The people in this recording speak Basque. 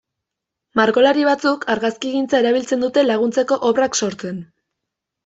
Margolari batzuk argazkigintza erabiltzen dute laguntzeko obrak sortzen.